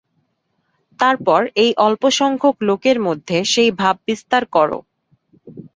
তারপর এই অল্পসংখ্যক লোকের মধ্যে সেই ভাব বিস্তার কর।